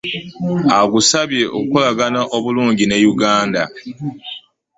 Agusabye okukologana obulungi ne Uganda